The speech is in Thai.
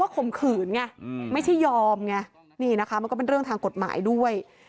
แค่ข่มขื่นไงไม่ใช่ยอมไงมันก็เป็นเรื่องทางกฎหมายด้วย